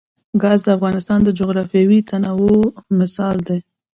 ګاز د افغانستان د جغرافیوي تنوع مثال دی.